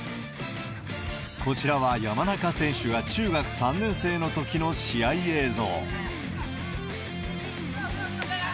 こちらは山中選手が中学３年生のときの試合映像。